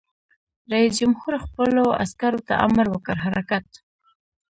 رئیس جمهور خپلو عسکرو ته امر وکړ؛ حرکت!